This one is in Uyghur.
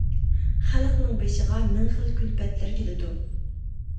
خەلقنىڭ بېشىغا مىڭ خىل كۈلپەتلەر كېلىدۇ.